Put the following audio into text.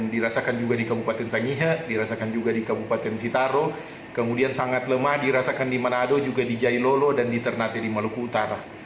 dirasakan juga di kabupaten sangihe dirasakan juga di kabupaten sitaro kemudian sangat lemah dirasakan di manado juga di jailolo dan di ternate di maluku utara